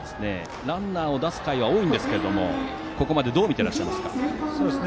ランナーを出す回は多いんですがここまでどう見ていますか。